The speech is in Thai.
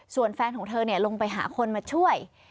ส่วนแฟนของเธอลงไปหาคนมาช่วย